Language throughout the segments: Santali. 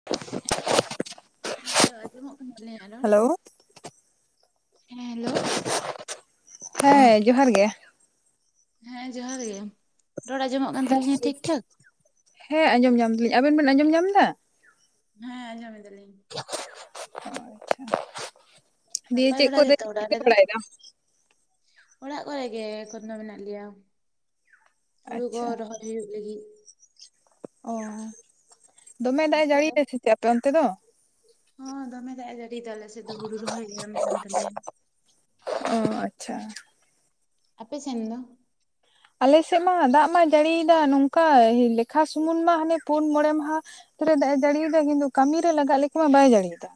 [inaudible] ᱦᱮᱸ ᱦᱮᱞᱳ ᱟᱸᱡᱚᱢᱚᱜ ᱠᱟᱱᱟ ᱟᱞᱤᱧᱟᱜ ᱨᱚᱲ, ᱦᱮᱞᱳ ᱦᱮᱸ ᱦᱮᱞᱳ? ᱦᱮᱸ ᱡᱚᱦᱟᱨ ᱜᱮ, ᱦᱮᱸ ᱡᱚᱦᱟᱨ ᱜᱮ, ᱨᱚᱲ ᱟᱸᱡᱚᱢᱚᱜ ᱠᱟᱱ ᱛᱟᱞᱤᱧᱟ ᱴᱷᱤᱠᱼᱴᱷᱟᱠ? ᱦᱮᱸ ᱟᱸᱡᱚᱢ ᱧᱟᱢ ᱫᱟᱞᱤᱧ ᱟᱵᱮᱱ ᱵᱮᱱ ᱟᱸᱡᱚᱢ ᱧᱟᱢ ᱮᱫᱟ? ᱦᱮᱸ ᱟᱸᱡᱚᱢ ᱮ ᱫᱟᱞᱤᱧ। [inaudible] ᱫᱤᱫᱤ ᱱᱟᱯᱟᱭ ᱪᱮᱫ ᱵᱟᱲᱟ ᱠᱚ ᱫᱚᱭ ᱜᱮᱛᱚ ᱚᱲᱟᱜ ᱪᱮᱠᱟ ᱨᱮᱫᱚ? ᱵᱟᱲᱟᱭᱮᱫᱟ, ᱚᱲᱟᱜ ᱠᱚᱨᱮ ᱜᱮ ᱮᱠᱷᱚᱱᱚ ᱢᱮᱱᱟᱜ ᱞᱮᱭᱟ ᱦᱩᱲᱩ ᱠᱚ ᱟᱪᱪᱷᱟ ᱨᱚᱦᱚᱭ ᱦᱩᱭᱩᱜ ᱞᱟᱹᱜᱤᱫ, ᱚ ᱫᱚᱢᱮ ᱫᱟᱜ ᱮ ᱟᱯᱮ ᱡᱟᱹᱲᱤᱭᱮᱫᱼᱟ ᱥᱮ ᱪᱮᱫ ᱟᱯᱳ ᱚᱱᱛᱮ ᱫᱚ, ᱦᱚ ᱫᱚᱢᱮ ᱫᱟᱜ ᱮ ᱡᱟᱹᱨᱤᱭᱮᱫ ᱟᱞᱮ ᱥᱮᱫ ᱫᱚ ᱦᱩᱲᱩ ᱨᱚᱦᱚᱭ ᱜᱟᱱ ᱠᱟᱱ ᱛᱟᱞᱮᱭᱟ। ᱚᱸ ᱟᱪᱪᱷᱟ ᱟᱯᱮ ᱥᱮᱱ ᱫᱚ, ᱟᱞᱮᱥᱮᱫ ᱢᱟ ᱫᱟᱜ ᱢᱟ ᱡᱟᱹᱲᱤᱭᱮᱫᱟ ᱱᱚᱝᱠᱟ ᱞᱮᱠᱷᱟ ᱥᱩᱢᱩᱱ ᱢᱟ ᱦᱟᱱᱮ ᱯᱩᱱ ᱢᱚᱬᱮ ᱢᱟᱦᱟ, ᱠᱚᱨᱮ ᱫᱟᱜ ᱮ ᱡᱟᱹᱲᱤᱭᱟᱫᱟ ᱠᱤᱱᱛᱩ ᱠᱟᱹᱢᱤᱨᱮ ᱞᱟᱜᱟᱜ ᱞᱮᱠᱟ ᱢᱟ ᱵᱟᱭ ᱡᱟᱹᱲᱤᱭᱟᱫᱟ᱾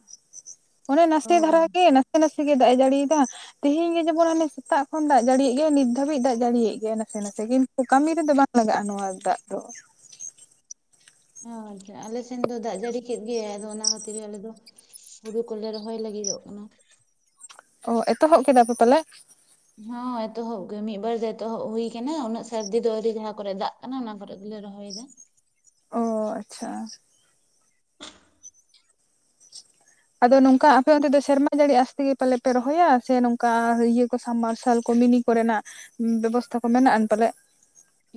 ᱚᱱᱮ ᱚ ᱱᱟᱥᱮ ᱫᱷᱷᱟᱨᱟ ᱜᱮ ᱱᱟ ᱱᱟᱥᱮ ᱱᱟᱥᱮ ᱜᱮ ᱫᱟᱜ ᱮ ᱡᱟᱹᱲᱤᱭᱮᱫᱫᱟ ᱛᱮᱦᱤᱧ ᱜᱮ ᱡᱮᱢᱚᱱ ᱦᱟᱱᱮ ᱥᱮᱛᱟᱜ ᱠᱷᱚᱱ ᱫᱟᱜ ᱡᱟᱲᱤᱭᱟᱜ ᱜᱮᱭᱟᱤᱛ ᱫᱷᱟᱹᱵᱤᱡ ᱫᱟᱜ ᱡᱟᱹᱲᱤᱭᱟᱜ ᱜᱮᱭᱟ, ᱱᱟᱥᱮ ᱱᱟᱥᱮ ᱠᱤᱱᱛᱩ ᱠᱟᱹᱢᱤ ᱨᱮᱫᱚ ᱵᱟᱝ ᱞᱟᱜᱟᱜᱼᱟ ᱱᱚᱣᱟ ᱫᱟᱜ ᱫᱚ, ᱟᱪᱪᱷᱟ ᱟᱞᱮ ᱥᱮᱱ ᱫᱚ ᱫᱟᱜ ᱡᱟᱹᱲᱤ ᱠᱮᱫ ᱜᱮᱭᱟᱭ ᱟᱫᱚ ᱚᱱᱟ ᱠᱷᱟᱹᱛᱤᱨ ᱟᱞᱮ ᱫᱚ, ᱦᱩᱲᱩ ᱠᱚᱞᱮ ᱨᱚᱦᱚᱭ ᱞᱟᱹᱜᱤᱫᱚᱜ ᱠᱟᱱᱟ, ᱚ ᱮᱛᱚᱦᱚᱵ ᱠᱮᱫᱟ ᱯᱮ ᱯᱟᱞᱮ ᱦᱚᱸ ᱮᱛᱚᱦᱚᱵ ᱜᱮ ᱢᱤᱫ ᱵᱟᱨ ᱫᱚ ᱮᱛᱚᱦᱚᱵ ᱦᱩᱭ ᱟᱠᱟᱱᱟ ᱩᱱᱟᱹᱜ ᱥᱟᱹᱨᱫᱤ ᱫᱚ ᱟᱹᱣᱨᱤ ᱡᱟᱦᱟᱸ ᱠᱚᱨᱮ ᱫᱟᱜ, ᱚᱱᱮ ᱚᱱᱟ ᱠᱚᱨᱮ ᱜᱮᱞᱮ ᱨᱚᱦᱚᱭ ᱮᱫᱟ, ᱚ ᱟᱪᱪᱷᱟ, ᱟᱫᱚ ᱱᱚᱝᱠᱟ ᱟᱯᱮ ᱚᱱᱛᱮ ᱫᱚ ᱥᱮᱨᱢᱟ ᱡᱟᱹᱲᱤ ᱟᱥᱛᱮᱜ ᱯᱟᱞᱮ ᱯᱮ ᱨᱚᱦᱚᱭᱟ ᱥᱮ ᱱᱚᱝᱠᱟ ᱤᱭᱟᱹ ᱠᱚ ᱥᱟᱵᱢᱟᱨᱥᱟᱞ ᱠᱚ ᱢᱤᱱᱤ, ᱠᱚᱨᱮᱱᱟᱜ ᱵᱮᱵᱚᱥᱛᱷᱟ ᱠᱚ ᱢᱮᱱᱟᱜᱼᱟᱱ ᱯᱟᱞᱮ᱾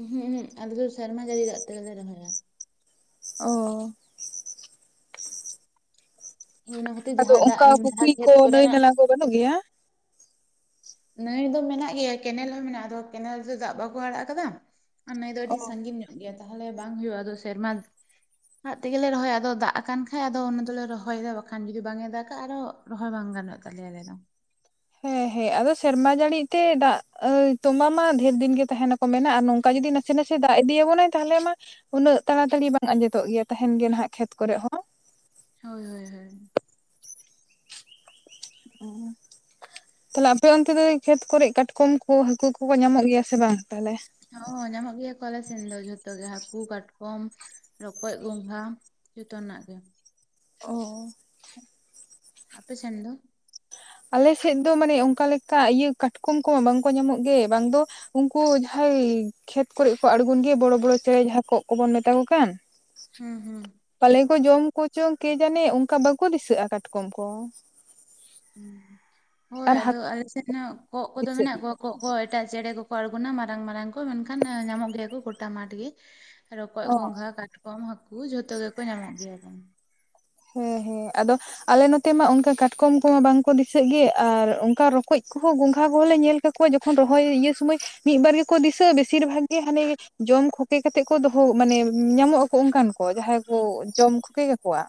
ᱩᱸᱦᱩ ᱩᱦᱩᱸ ᱟᱞᱮ ᱫᱚ ᱥᱮᱨᱢᱟ ᱡᱟᱹᱲᱤ ᱫᱟᱜ ᱛᱮᱜᱮᱞᱮ ᱨᱚᱦᱚᱭᱟ᱾ ᱚ ᱚᱱᱟ ᱠᱷᱟᱹᱛᱤᱨ ᱟᱫᱚ ᱡᱟᱦᱟᱸ ᱫᱟᱜ ᱚᱱᱠᱟ ᱡᱟᱦᱟᱸ ᱯᱩᱠᱷᱨᱤ ᱠᱷᱮᱛ ᱠᱚ ᱱᱟᱹᱭ ᱠᱚᱨᱮᱱᱟᱜ ᱱᱟᱞᱟ ᱠᱚ ᱵᱟᱹᱱᱩᱜ ᱜᱮᱭᱟ᱾ ᱱᱟᱹᱭ ᱫᱚ ᱢᱮᱱᱟᱜ ᱜᱮᱭᱟ ᱠᱮᱱᱮᱞ ᱦᱚᱸ ᱢᱮᱱᱟᱜᱼᱟ ᱟᱫᱚ ᱠᱮᱱᱮᱞ ᱨᱮᱫᱚ ᱫᱟᱜ ᱵᱟᱠᱚ ᱟᱲᱟᱜ ᱟᱠᱟᱫᱟ ᱟᱨ ᱱᱟᱹᱭ ᱫᱚ ᱚ ᱟᱹᱰᱤ ᱥᱟᱺᱜᱤᱧ ᱧᱚᱜ ᱜᱮᱭᱟ ᱛᱟᱦᱚᱞᱮ ᱵᱟᱝ ᱦᱩᱭᱩᱜᱼᱟ ᱟᱫᱚ ᱥᱮᱨᱢᱟᱼᱼ ᱫᱟᱜ ᱛᱮᱜᱮᱞᱮ ᱨᱚᱦᱚᱭᱟ ᱟᱫᱚ ᱫᱟᱜ ᱟᱠᱟᱱ ᱠᱷᱟᱡ ᱟᱫᱚ ᱚᱱᱟ ᱫᱚᱞᱮ ᱨᱚᱦᱚᱭᱟ ᱵᱟᱠᱷᱟᱱ ᱡᱩᱫᱤ ᱵᱟᱝ ᱮ ᱫᱟᱜ ᱟᱨᱚᱼᱼ ᱨᱚᱦᱚᱭ ᱵᱟᱝ ᱜᱟᱱᱚᱜ ᱛᱟᱞᱮᱭᱟ ᱟᱞᱮ ᱫᱚᱼᱼ ᱦᱮᱸ ᱦᱮᱸ ᱟᱫᱚ ᱥᱮᱨᱢᱟ ᱡᱟᱹᱲᱤ ᱛᱮ ᱫᱟᱜ ᱛᱚᱸᱵᱟ ᱢᱟ ᱰᱷᱮᱨ ᱫᱤᱱ ᱜᱮ ᱛᱟᱦᱮᱱᱟ᱾ ᱢᱮᱱᱟᱜ ᱟᱨ ᱱᱚᱝᱠᱟ ᱡᱩᱫᱤ ᱱᱟᱥᱮ ᱱᱟᱥᱮ ᱫᱟᱜ ᱤᱫᱤᱭ ᱟᱵᱚᱱᱟᱭ ᱛᱟᱦᱚᱞᱮ ᱢᱟ ᱩᱱᱟᱹᱜ ᱛᱟᱲᱟ ᱛᱟᱲᱤ ᱵᱟᱝ ᱟᱸᱡᱮᱫᱚᱜ ᱜᱮᱭᱟ ᱛᱟᱦᱮᱱ ᱜᱮᱭᱟ ᱱᱟᱦᱟᱜ ᱠᱷᱮᱛ ᱠᱚᱨᱮ ᱦᱚᱸᱼᱼ ᱦᱳᱭ ᱦᱳᱭ ᱦᱳᱭ [unintelligible] ᱛᱟᱞᱦᱮ ᱟᱯᱮ ᱚᱱᱛᱮ ᱫᱚ ᱠᱷᱮᱛ ᱠᱚᱨᱮ ᱠᱟᱴᱠᱚᱢ ᱠᱚ ᱦᱟᱹᱠᱩ ᱠᱚᱠᱚ ᱧᱟᱢᱚᱜ ᱜᱮᱭᱟ ᱥᱮ ᱵᱟᱝ ᱛᱟᱦᱞᱮ ᱦᱚᱸ ᱧᱟᱢᱚᱜ ᱜᱮᱭᱟ ᱠᱚ ᱟᱞᱮ ᱥᱮᱱ ᱫᱚ ᱫᱚ ᱡᱷᱚᱛᱚ ᱜᱮ ᱦᱟᱹᱠᱩ ᱠᱟᱴᱠᱚᱢ ᱨᱚᱠᱚᱡ ᱜᱚᱸᱜᱷᱟ ᱡᱚᱛᱚᱱᱟᱜ ᱜᱮᱼᱼ ᱚᱻ ᱟᱯᱮ ᱥᱮᱱ ᱫᱚ? ᱟᱞᱮ ᱥᱮᱫ ᱫᱚ ᱢᱟᱱᱮ ᱚᱱᱠᱟ ᱞᱮᱠᱟ ᱤᱭᱟᱹ ᱠᱟᱴᱠᱚᱢ ᱠᱚᱢᱟ ᱵᱟᱝ ᱠᱚ ᱧᱟᱢᱚᱜ ᱜᱮ ᱵᱟᱝ ᱫᱚᱼᱼ ᱩᱱᱠᱩ ᱡᱟᱦᱟᱸᱭ ᱠᱷᱮᱛ ᱠᱚᱨᱮ ᱠᱚ ᱟᱬᱜᱚᱱ ᱜᱮᱭᱟ ᱵᱚᱲᱚ ᱵᱚᱲᱚ ᱪᱮᱬᱮ ᱡᱟᱦᱟᱸᱭ ᱠᱚᱜ ᱠᱚᱵᱚᱱ ᱢᱮᱛᱟ ᱠᱚ ᱠᱟᱱ ᱦᱩᱸ ᱦᱩᱸ ᱯᱟᱞᱮ ᱠᱚ ᱡᱚᱢ ᱠᱚᱪᱚᱝ ᱠᱮ ᱡᱟᱱᱮ ᱚᱱᱠᱟ ᱵᱟᱠᱚ ᱫᱤᱥᱟᱹᱜᱼᱟ ᱠᱟᱴᱠᱚᱢ ᱠᱚ ᱦᱳᱭ ᱟᱨ ᱟᱫᱚ ᱦᱟᱹᱠᱩ ᱟᱞᱮ ᱥᱮᱫ ᱦᱚᱸ ᱠᱚᱸᱜ ᱠᱚᱫᱚ ᱫᱤᱥᱟᱹᱜ ᱢᱮᱱᱟᱜ ᱜᱮ ᱠᱚᱣᱟ ᱠᱚᱸᱜ ᱠᱚ ᱮᱴᱟᱜ ᱪᱮᱬᱮ ᱠᱚᱠᱚ ᱟᱬᱜᱚᱱᱟ ᱢᱟᱨᱟᱝ ᱢᱟᱨᱟᱝ ᱠᱚ ᱢᱮᱱ ᱠᱷᱟᱱ ᱧᱟᱢᱚᱜ ᱜᱮᱭᱟ ᱠᱚ ᱜᱚᱴᱟ ᱢᱟᱴ ᱜᱮ ᱨᱚᱠᱚᱡ ᱚ ᱜᱚᱸᱜᱷᱟ ᱠᱟᱴᱠᱚᱢ ᱦᱟᱹᱠᱩ ᱡᱷᱚᱛᱚ ᱜᱮ ᱠᱚ ᱧᱟᱢᱚᱜ ᱜᱮᱭᱟ ᱠᱚ᱾ ᱦᱮᱸ ᱦᱮᱸ ᱟᱫᱚᱼᱼ ᱟᱞᱮ ᱱᱚᱛᱮ ᱢᱟ ᱚᱱᱠᱟ ᱠᱟᱴᱠᱚᱢ ᱠᱚᱢᱟ ᱵᱟᱝ ᱠᱚ ᱫᱤᱥᱟᱹᱜ ᱜᱮ ᱟᱨ ᱚᱱᱠᱟ ᱨᱚᱠᱚᱡ ᱠᱚ ᱦᱚᱸ ᱜᱚᱸᱜᱷᱟ ᱠᱚᱦᱚᱸ ᱞᱮ ᱧᱮᱞᱼᱼ ᱠᱚᱭ [unintelligible] ᱡᱚᱠᱷᱚᱱ ᱨᱚᱦᱚᱭ ᱤᱭᱟᱹ ᱥᱚᱢᱚᱭ ᱢᱤᱫ ᱵᱟᱨ ᱜᱮᱠᱚ ᱫᱤᱥᱟᱹᱜ ᱵᱮᱥᱤᱨ ᱵᱷᱟᱜᱽ ᱜᱮ ᱦᱟᱱᱮ ᱡᱚᱢ ᱠᱷᱚᱠᱮ ᱠᱟᱛᱮᱜ ᱠᱚ ᱫᱚᱦᱚ ᱢᱟᱱᱮ ᱧᱟᱢᱚᱜ ᱟᱠᱚ ᱚᱱᱠᱟᱱ ᱡᱟᱦᱟᱸᱭ ᱠᱚ ᱡᱚᱢ ᱠᱷᱚᱠᱮ ᱠᱟᱠᱚᱣᱟ᱾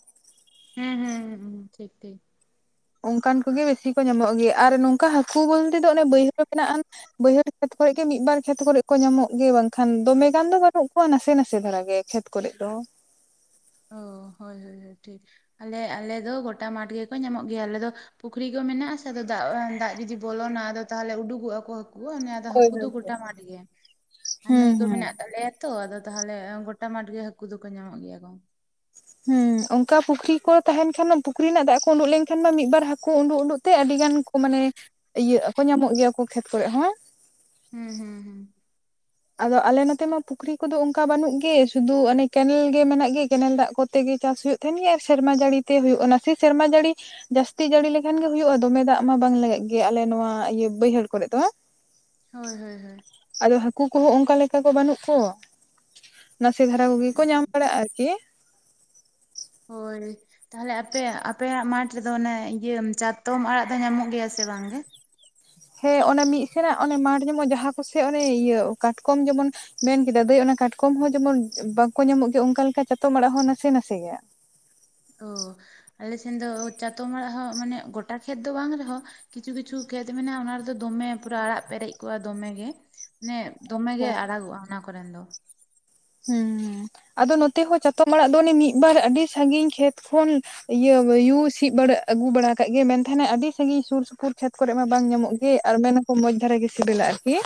ᱦᱮᱸ ᱦᱮᱸ ᱦᱮᱸ ᱴᱷᱤᱠ ᱴᱷᱤᱠ ᱚᱱᱠᱟᱱ ᱠᱚᱜᱮ ᱵᱮᱥᱤ ᱠᱚ ᱧᱟᱢᱚᱜ ᱜᱮᱭᱟ ᱟᱨ ᱱᱚᱝᱠᱟ ᱦᱟᱹᱠᱩ ᱵᱚᱞ ᱛᱮ ᱫᱚ ᱚᱱᱮ ᱵᱟᱹᱭᱦᱟᱹᱲ ᱢᱮᱱᱟᱜ ᱟ ᱵᱟᱹᱭᱦᱟᱹᱲ ᱠᱷᱮᱛ ᱠᱚᱨᱮ ᱜᱮ ᱢᱤᱫ ᱵᱟᱨ ᱠᱷᱮᱛ ᱠᱚᱨᱮ ᱠᱚ ᱧᱟᱢᱚᱜ ᱜᱮ ᱵᱟᱝ ᱠᱷᱟᱱ ᱫᱚᱢᱮ ᱜᱟᱱ ᱫᱚ ᱵᱟᱹᱱᱩᱜ ᱠᱚᱣᱟ ᱱᱟᱥᱮ ᱱᱟᱥᱮ ᱫᱷᱟᱨᱟ ᱜᱮ ᱠᱷᱮᱛᱼᱼ ᱠᱚᱨᱮᱜ ᱫᱚ ᱚ ᱦᱳᱭ ᱦᱳᱭ ᱦᱳᱭ ᱴᱷᱤᱠ ᱟᱞᱮ ᱟᱞᱮ ᱫᱚ ᱜᱚᱴᱟ ᱢᱟᱴᱷ ᱜᱮᱠᱚ ᱧᱟᱢᱚᱜ ᱜᱮᱭᱟ ᱟᱞᱮ ᱫᱚ ᱯᱩᱠᱷᱨᱤ ᱠᱚ ᱢᱮᱱᱟᱜᱼᱟ ᱥᱮ ᱟᱫᱚ ᱫᱟᱜ ᱫᱟᱜ ᱡᱩᱫᱤ ᱵᱚᱞᱚᱱᱟ ᱟᱫᱚ ᱼᱼ ᱛᱟᱦᱚᱞᱮ ᱩᱰᱩᱠᱚᱜ ᱟᱠᱚ ᱦᱟᱹᱠᱩ [unintelligible] ᱦᱳᱭ ᱦᱟᱹᱠᱩ ᱫᱚ ᱦᱳᱭ ᱦᱳᱭ ᱜᱚᱴᱟ ᱢᱟᱴ ᱜᱮ ᱟᱨ ᱦᱩᱸ ᱱᱟᱹᱭ ᱠᱚ ᱦᱩᱸ ᱢᱮᱱᱟᱜ ᱛᱟᱞᱮᱭᱟ ᱛᱚ ᱟᱫᱚ ᱛᱟᱦᱚᱞᱮ ᱜᱚᱴᱟ ᱢᱟᱴ ᱜᱮ ᱦᱟᱹᱠᱩ ᱫᱚᱠᱚ ᱧᱟᱢᱚᱜ ᱜᱮᱭᱟ ᱠᱚ ᱦᱩᱸ ᱚᱱᱠᱟ ᱯᱩᱠᱷᱨᱤ ᱠᱚ ᱛᱟᱦᱮᱱ ᱠᱷᱟᱱ ᱯᱩᱠᱷᱨᱤ ᱨᱮᱱᱟᱜ ᱫᱟᱜ ᱠᱚ ᱩᱰᱩᱜ ᱞᱮᱱ ᱠᱷᱟᱱ ᱢᱟ ᱢᱤᱫᱵᱟᱨ ᱦᱟᱠᱩ ᱩᱸᱰᱩᱜ ᱩᱸᱰᱩᱜ ᱛᱮ ᱟᱹᱰᱤ ᱜᱟᱱᱼᱼ ᱢᱟᱱᱮ ᱤᱭᱟᱹ ᱟᱠᱚ ᱧᱟᱢᱚᱜ ᱜᱮᱭᱟ ᱠᱚ ᱠᱷᱮᱛ ᱠᱚᱨᱮᱜ ᱦᱚᱸ ᱦᱩᱸ ᱦᱩᱸ ᱦᱩᱸ ᱟᱫᱚ ᱟᱞᱮ ᱱᱚᱛᱮ ᱢᱟ ᱯᱩᱠᱷᱨᱤ ᱠᱚᱫᱚ ᱚᱱᱠᱟ ᱵᱟᱹᱱᱩᱜ ᱜᱮ ᱥᱩᱫᱩ ᱚᱱᱮ ᱠᱮᱱᱮᱞ ᱜᱮ ᱢᱮᱱᱟᱜ ᱜᱮ ᱠᱮᱱᱮᱞ ᱫᱟᱜ ᱠᱚᱛᱮ ᱜᱮ ᱪᱟᱥ ᱦᱩᱭᱩᱜ ᱫᱤᱱ ᱜᱮ ᱟᱨ ᱥᱮᱨᱢᱟ ᱡᱟᱹᱲᱤ ᱛᱮ ᱦᱩᱭᱩᱜ ᱠᱟᱱᱟ ᱥᱮ ᱥᱮᱨᱢᱟ ᱡᱟᱹᱲᱤᱼᱼ ᱡᱟᱹᱥᱛᱤ ᱡᱟᱹᱲᱤ ᱞᱮᱠᱷᱟᱱ ᱜᱮ ᱦᱩᱭᱩᱜᱼᱟ ᱫᱚᱢᱮ ᱫᱟᱜ ᱢᱟ ᱵᱟᱝ ᱞᱟᱜᱟᱜ ᱜᱮᱭᱟ ᱟᱞᱮ ᱱᱚᱣᱟ ᱤᱭᱟᱹ ᱵᱟᱹᱭᱦᱟᱹᱲ ᱠᱚᱨᱮ ᱫᱚ [inaudible] ᱦᱳᱭ ᱦᱳᱭ ᱦᱳᱭ ᱟᱫᱚ ᱦᱟᱹᱠᱩ ᱠᱚ ᱦᱚᱸ ᱚᱱᱠᱟ ᱞᱮᱠᱟ ᱠᱚ ᱵᱟᱹᱱᱩᱜ ᱠᱚ ᱱᱟᱥᱮ ᱫᱷᱟᱨᱟ ᱦᱩᱸ ᱠᱚᱜᱮ ᱠᱚ ᱧᱟᱢ ᱦᱩᱸ᱾ ᱵᱟᱲᱟᱜᱼᱟ ᱟᱨᱠᱤᱼᱼ ᱦᱳᱭᱼᱼ ᱛᱟᱦᱚᱞᱮ ᱟᱯᱮ ᱟᱯᱮᱭᱟᱜ ᱢᱟᱴᱷ ᱨᱮᱫᱚ ᱚᱱᱮ ᱤᱭᱟᱹ ᱪᱟᱛᱚᱢ ᱟᱲᱟᱜ ᱫᱚ ᱧᱟᱢᱚᱜ ᱜᱮᱭᱟ ᱥᱮ ᱵᱟᱝ ᱜᱮ? ᱦᱮᱸ ᱚᱱᱮ ᱢᱤᱫ ᱥᱮᱱᱟᱜ ᱚᱱᱮ ᱢᱟᱴᱷ ᱧᱟᱢᱚᱜ ᱡᱟᱦᱟᱸ ᱠᱚ ᱥᱮᱜ ᱚᱱᱮ ᱤᱭᱟᱹ ᱠᱟᱴᱠᱚᱢ ᱡᱮᱢᱚᱱ ᱢᱮᱱᱠᱮᱫᱟ ᱫᱟᱹᱭ ᱚᱱᱟ ᱠᱟᱴᱠᱚᱢ ᱦᱚᱸ ᱡᱮᱢᱚᱱ ᱵᱟᱠᱚ ᱧᱟᱢᱚᱜ ᱜᱮᱭᱟ ᱚᱱᱠᱟ ᱞᱮᱠᱟ ᱪᱟᱛᱚᱢ ᱟᱲᱟᱜ ᱦᱚᱸ ᱱᱟᱥᱮ ᱱᱟᱥᱮᱭᱟ ᱳ ᱟᱞᱮᱥᱮᱱ ᱫᱚ ᱪᱟᱛᱚᱢ ᱟᱲᱟᱜ ᱦᱚᱸ ᱢᱟᱱᱮ ᱜᱚᱴᱟ ᱠᱷᱮᱛ ᱫᱚ ᱵᱟᱝ ᱨᱮᱦᱚᱸ ᱠᱤᱪᱷᱩ ᱠᱤᱪᱷᱩ ᱠᱷᱮᱛ ᱢᱮᱱᱟᱜᱼᱟ, ᱚᱱᱟ ᱨᱮᱫᱚ ᱫᱚᱢᱮ ᱯᱩᱨᱟᱹ ᱟᱲᱟᱜ ᱯᱮᱨᱮᱡ ᱠᱚᱜ-ᱟ ᱫᱚᱢᱮ ᱜᱮ ᱢᱟᱱᱮ ᱫᱚᱢᱮ ᱜᱮ ᱟᱲᱟᱜᱚᱜᱼᱟ ᱚᱱᱟ ᱠᱚᱨᱮᱱ ᱫᱚ ᱦᱩ ᱟᱫᱚ ᱱᱚᱛᱮ ᱦᱚᱸ ᱪᱟᱛᱚᱢ ᱚᱲᱟᱜ ᱫᱚ ᱚᱱᱮ ᱢᱤᱫᱵᱟᱨ ᱟᱰᱤ ᱥᱟᱹᱜᱤᱧ ᱠᱷᱮᱛ ᱠᱷᱚᱱ ᱤᱭᱟᱹ ᱭᱩ ᱥᱤᱫ [unintelligible] ᱟᱹᱜᱩ ᱵᱟᱲᱟ ᱟᱠᱟᱜ ᱜᱮᱭᱟ ᱢᱮᱱ ᱛᱟᱦᱮᱱᱟᱭ ᱟᱹᱰᱤ ᱥᱟᱺᱜᱤᱧ ᱥᱩᱨ ᱥᱩᱯᱩᱨ [unintelligible] ᱠᱚᱨᱮ ᱢᱟ ᱵᱟᱝ ᱧᱟᱢᱚᱜ ᱜᱮ ᱟᱨ ᱢᱮᱱᱟᱠᱚ ᱢᱚᱸᱡᱽ ᱫᱷᱟᱨᱟ ᱜᱮ ᱥᱮᱵᱮᱞᱟ ᱟᱨᱠᱤ